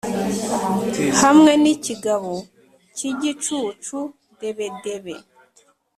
hamwe n’ikigabo cy’igicucu debedebe